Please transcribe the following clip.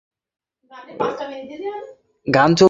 ওকে, কুল্যান্টটা বাদে, ওকে?